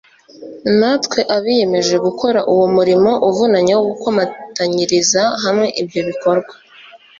natwe abiyemeje gukora uwo murimo uvunanye wo gukomatanyiriza hamwe ibyo bikorwa